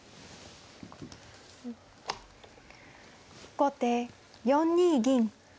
後手４二銀。